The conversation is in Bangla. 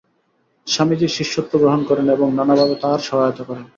স্বামীজীর শিষ্যত্ব গ্রহণ করেন এবং নানাভাবে তাঁহার সহায়তা করেন।